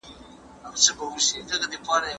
ما پرون په تلویزیون کي د پښتو په اړه بحث ولیدی